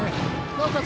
なおかつ